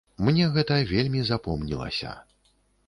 Мне гэта вельмі запомнілася.